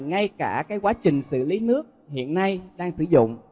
ngay cả quá trình xử lý nước hiện nay đang sử dụng